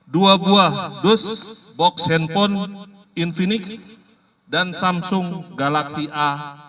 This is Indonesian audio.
dua buah dus box handphone infinix dan samsung galaxy a